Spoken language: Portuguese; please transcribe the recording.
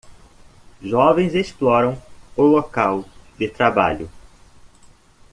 Jovens exploram o local de trabalho